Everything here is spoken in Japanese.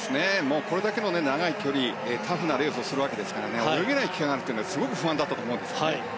これだけの長い距離タフなレースをするわけですから泳げない期間があるのはすごく不安だったと思うんです。